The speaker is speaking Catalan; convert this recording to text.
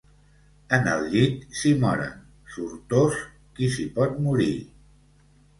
En el llit s'hi moren; sortós qui s'hi pot morir.